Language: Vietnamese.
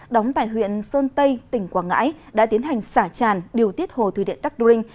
đóng tại huyện sơn tây tỉnh quảng ngãi đã tiến hành xả tràn điều tiết hồ thủy điện đắc đu rinh